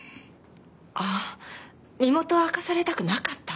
あっ身元を明かされたくなかった？